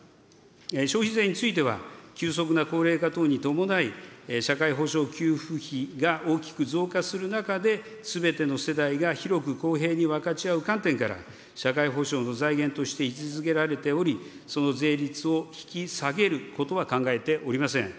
消費税については、急速な高齢化等に伴い、社会保障給付費が大きく増加する中で、すべての世代が広く公平に分かち合う観点から、社会保障の財源として位置づけられており、その税率を引き下げることは考えておりません。